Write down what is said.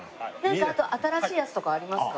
あと新しいやつとかありますか？